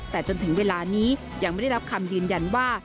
แต่จนถึงเวลานี้ยังไม่ได้รับคำยืนยันว่า